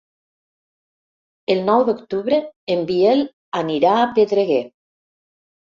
El nou d'octubre en Biel anirà a Pedreguer.